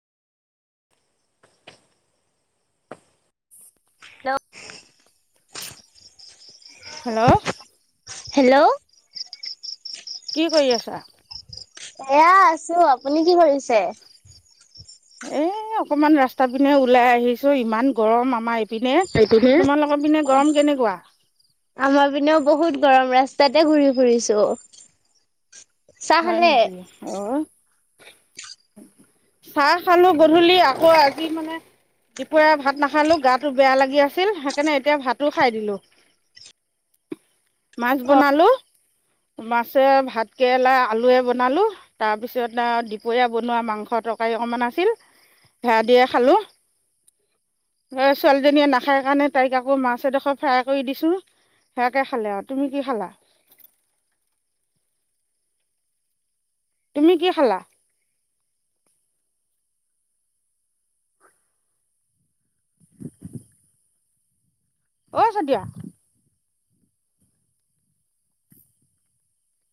[inaudible] Hello. Hello. কি কৰি আছা? অ' আছোঁ, আপুনি কি কৰিছে? এ অকমান ৰাস্তা পিনে ওলাই আহিছো‌ঁ ইমান গৰম‌ আমা এইপ সেইটোহে। অ কেনেকুৱা? আমাৰ পিনেও বহুত গৰম, ৰাস্তাতে ঘূৰি ফুৰিছো আও। হয় নেকি, অ চাহ খালো গধূলি, আকৌ আজি মানে দিপইয়া ভাত নাখালো গাটো বেয়া লাগি আছিল, সেইকাৰণে এতিয়া ভাতো খাই দিলো। মাছ বনালো, মাছে ভাত কেৰেলা আলুৱে বনালোঁ, তাৰপিছত‌ আও দিপইয়া বনোৱা মাংস তৰকাৰী অকমান আছিল, সেয়া দিয়ে সালোঁ। এ ছোৱালীজনীয়ে নাসায় কাৰণে তাইক আকৌ মাছ এডোখৰ ফ্ৰাই কৰি দিছোঁ, সেয়াকে সালে আও। তুমি কি খালা? তুমি কি সালা? অ চতিয়া